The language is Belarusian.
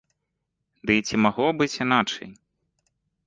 Ды і ці магло быць іначай.